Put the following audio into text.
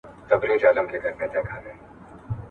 پي پي پي ناروغي د ماشوم ساتنې په وړتیا اغېز کوي.